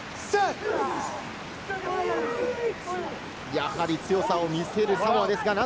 やはり強さを見せるサモアです。